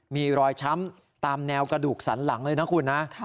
มีรอยช้ำตามแนวกระดูกสันหลังเลยนะคุณนะ